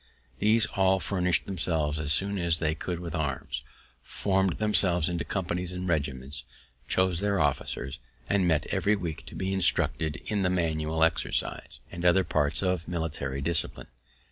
These all furnished themselves as soon as they could with arms, formed themselves into companies and regiments, chose their own officers, and met every week to be instructed in the manual exercise, and other parts of military discipline.